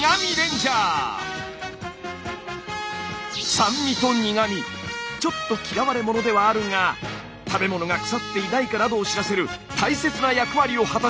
酸味と苦味ちょっと嫌われ者ではあるが食べ物が腐っていないかなどを知らせる大切な役割を果たしている。